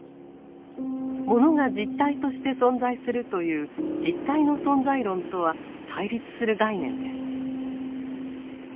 物が実体として存在するという「実体の存在論」とは対立する概念です。